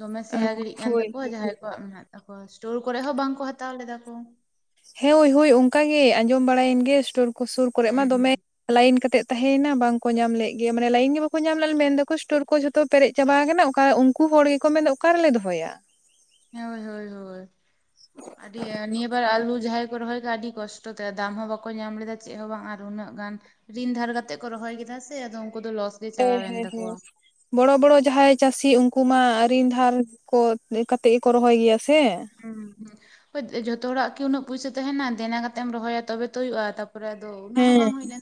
ᱫᱚᱢᱮ ᱥᱮᱭᱟ ᱜᱤᱲᱤᱜ ᱠᱟᱱ ᱦᱳᱭ ᱛᱟᱠᱚᱣᱟ ᱡᱟᱦᱟᱸᱭ ᱠᱚᱣᱟᱜ ᱢᱮᱱᱟᱜ ᱛᱟᱠᱚᱣᱟ ᱥᱴᱳᱨ ᱠᱚᱨᱮᱜ ᱦᱚᱸ ᱵᱟᱝᱠᱚ ᱦᱟᱛᱟᱣ ᱞᱮᱫᱟ ᱠᱚ ᱦᱮᱸᱳ ᱦᱳᱭ ᱚᱱᱠᱟ ᱜᱮ ᱟᱸᱡᱚᱢ ᱵᱟᱲᱟᱭᱮᱱ ᱜᱮ ᱥᱴᱳᱨ ᱠᱚ ᱥᱩᱨ ᱠᱚᱨᱮ ᱢᱟ ᱦᱮᱸ ᱫᱚᱢᱮ ᱞᱟᱭᱤᱱ ᱠᱟᱛᱮᱜ ᱛᱟᱦᱮᱸᱭᱮᱱᱟ ᱵᱟᱝᱠᱚ ᱧᱟᱢ ᱞᱮᱜ ᱜᱮᱭᱟ ᱢᱟᱱᱮ ᱞᱟᱭᱤᱱ ᱜᱮ ᱵᱟᱠᱚ ᱧᱟᱢ ᱞᱮ ᱢᱮᱱ ᱮᱟᱠᱚ ᱥᱴᱳ ᱠᱚ ᱡᱷᱚᱛᱚ ᱛᱚ ᱯᱮᱨᱮᱡ ᱪᱟᱵᱟ ᱟᱠᱟᱱᱟ ᱚᱠᱟ ᱩᱱᱠᱩ ᱦᱚᱲ ᱜᱮᱠᱚ ᱢᱮᱱᱮᱫ ᱚᱠᱟ ᱨᱮᱞᱮ ᱫᱚᱦᱚᱭᱟ ᱦᱳᱭ ᱦᱳᱭ ᱦᱳᱭ ᱟᱹᱰᱤ ᱱᱤᱭᱟᱹ ᱵᱟᱨ ᱟᱞᱩ ᱡᱟᱦᱟᱸᱟᱭ ᱠᱚ ᱨᱚᱦᱚᱭ ᱠᱷᱟᱡ ᱟᱹᱰᱤ ᱠᱚᱥᱴᱚ ᱛᱮ ᱫᱟᱢ ᱦᱚᱸ ᱵᱟᱠᱚ ᱧᱟᱢ ᱞᱮᱫᱟ ᱪᱮᱫ ᱦᱚᱸ ᱵᱟᱝ ᱟᱨ ᱩᱱᱟᱹᱜ ᱜᱟᱱ ᱨᱤᱱ ᱫᱷᱟᱨ ᱠᱟᱛᱮᱮᱫ ᱠᱚ ᱨᱚᱦᱚᱭ ᱠᱮᱫᱟ ᱥᱮ ᱟᱫᱚ ᱩᱱᱠᱩ ᱫᱚ ᱞᱚᱥ ᱜᱮ ᱦᱮᱸ ᱪᱟᱞᱟᱣᱮᱱ ᱦᱮᱸ ᱛᱟᱠᱚᱣᱟ ᱦᱮᱸ ᱵᱚᱲᱚ ᱵᱚᱲᱚ ᱡᱟᱦᱟᱸᱭ ᱪᱟᱥᱤ ᱩᱱᱠᱩ ᱢᱟ ᱨᱤᱱ ᱫᱷᱟᱨ ᱠᱚ ᱠᱟᱛᱮᱜ ᱜᱮᱠᱚ ᱨᱚᱦᱚᱭ ᱜᱮᱭᱟ ᱥᱮ ᱦᱩᱸ ᱦ ᱡᱷᱚᱛᱚ ᱦᱚᱲᱟᱜ ᱠᱤ ᱩᱱᱟᱹᱜ ᱯᱚᱭᱥᱟ ᱛᱟᱦᱮᱟᱸᱱᱟ ᱫᱮᱱᱟ ᱠᱟᱛᱮᱢ ᱨᱚᱦᱚᱭᱟ ᱛᱚᱵᱮ ᱛᱚ ᱦᱩᱭᱩᱜᱼᱟ ᱛᱟ ᱯᱨᱮ ᱫᱚ ᱚᱱᱟ ᱦᱚᱸ ᱦᱮᱸ ᱵᱟᱝ ᱦᱩᱭ ᱞᱮᱱ